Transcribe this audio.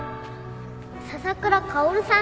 笹倉薫さん